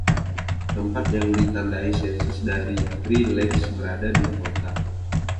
Tempat yang ditandai sensus dari Three Lakes berada di kota.